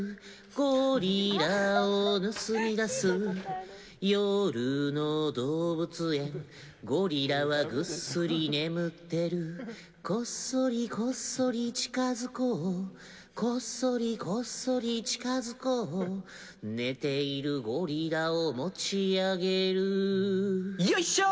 ゴリラを盗み出す夜の動物園ゴリラはぐっすり眠ってるこっそりこっそり近づこうこっそりこっそり近づこう寝ているゴリラを持ち上げるよいしょ！